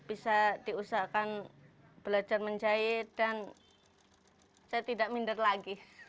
bisa diusahakan belajar menjahit dan saya tidak minder lagi